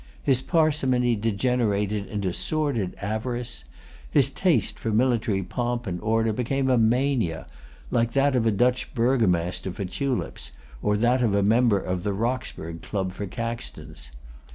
His parsimony degenerated into sordid avarice. His taste for military pomp and order became a mania, like that of a Dutch burgomaster for tulips, or that of a member of the Roxburghe Club for Caxtons.